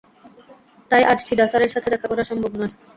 তাই আজ চিদা স্যারের সাথে দেখা করা সম্ভব না।